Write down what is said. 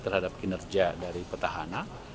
terhadap kinerja dari petahana